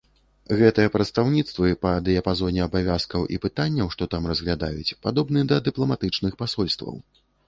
Гэтыя прадстаўніцтвы, па дыяпазоне абавязкаў і пытанняў, што там разглядаюць, падобны да дыпламатычных пасольстваў.